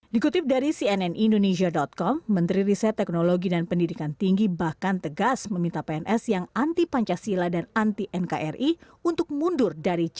dikutip dari cnn indonesia com menteri riset teknologi dan pendidikan tinggi bahkan tegas meminta pns yang anti pancasila dan anti nkri untuk mundur